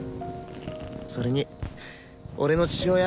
それに俺の父親